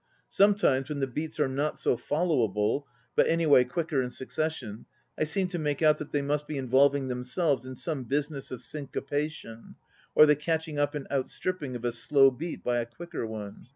Sometimes when the beats are not so followable, but anyway quicker in succession, I seem to make out that they mu t be involving themselves in some business of syncopation, or the catch ing up and outstripping of a slow beat by a quicker one.